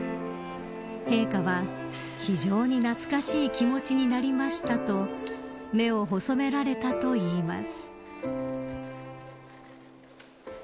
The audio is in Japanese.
陛下は、非常に懐かしい気持ちになりましたと目を細められたといいます。